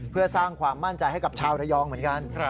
เพื่อสร้างความมั่นใจให้กับชาวระยองเหมือนกัน